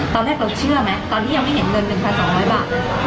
ตอนแรกเราเชื่อไหมตอนที่ยังไม่เห็นเงินเป็นพันสองร้อยบาท